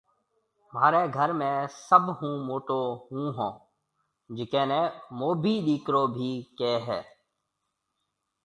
مهاري گهر ۾ سڀ هون موٽو هون هون جيڪنَي موڀي ڏيڪرو بهيَ ڪهيَ هيَ